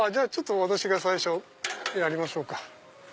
私が最初やりましょうか。